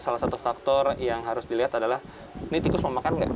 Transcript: salah satu faktor yang harus dilihat adalah ini tikus memakan nggak